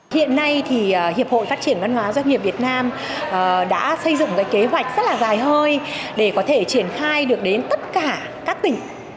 hiện nay thì hiệp hội phát triển văn hóa doanh nghiệp việt nam đã xây dựng cái kế hoạch rất là dài hơi để có thể triển khai được đến tất cả các tỉnh